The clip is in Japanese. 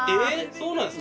そうなんです。